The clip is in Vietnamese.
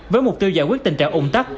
với mục tiêu giải quyết tình trạng ủng tắc